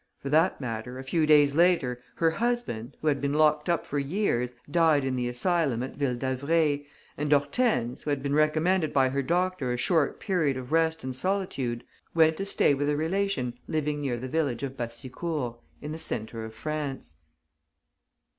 For that matter, a few days later her husband, who had been locked up for years, died in the asylum at Ville d'Avray, and Hortense, who had been recommended by her doctor a short period of rest and solitude, went to stay with a relation living near the village of Bassicourt, in the centre of France.